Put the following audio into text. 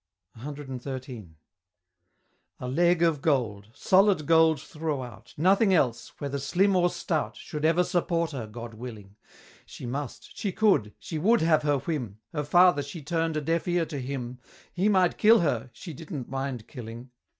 CXIII. A Leg of Gold solid gold throughout, Nothing else, whether slim or stout, Should ever support her, God willing! She must she could she would have her whim, Her father, she turn'd a deaf ear to him He might kill her she didn't mind killing!